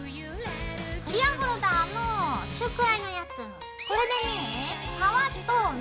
クリアホルダーの中くらいのやつ。